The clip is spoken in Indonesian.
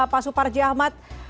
pak suparji ahmad